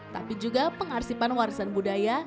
tapi juga pengarsipan warisan budaya